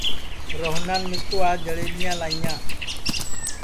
روہنان مِسکُو آج جݪئٻیاں لائیاں